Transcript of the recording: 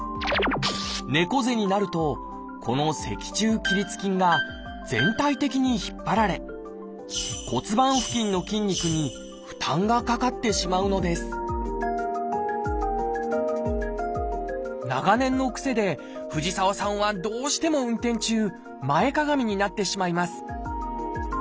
猫背になるとこの脊柱起立筋が全体的に引っ張られ骨盤付近の筋肉に負担がかかってしまうのです長年の癖で藤沢さんはどうしても運転中前かがみになってしまいます